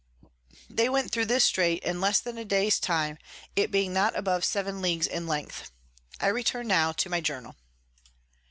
They went thro this Strait in less than a day's time, it being not above 7 Leagues in length. I return now to my Journal.